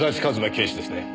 警視ですね？